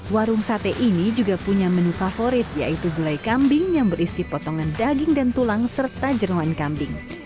warung sate ini juga punya menu favorit yaitu gulai kambing yang berisi potongan daging dan tulang serta jeruan kambing